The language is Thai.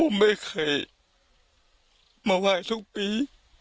ผมไม่เคยมาไหว้ทุกปี